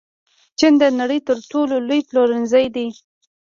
چین د نړۍ تر ټولو لوی پلورنځی دی.